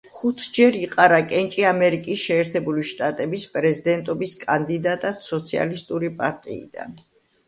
ხუთჯერ იყარა კენჭი ამერიკის შეერთებული შტატების პრეზიდენტობის კანდიდატად სოციალისტური პარტიიდან.